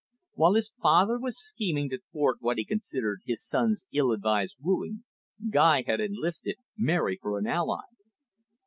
While his father was scheming to thwart what he considered his son's ill advised wooing, Guy had enlisted Mary for an ally.